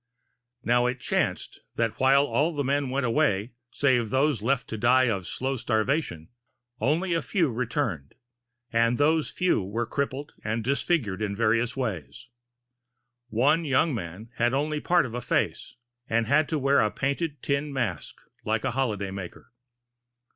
Now it chanced that while all the men went away, save those left to die of slow starvation, only a few returned, and these few were crippled and disfigured in various ways. One young man had only part of a face, and had to wear a painted tin mask, like a holiday maker.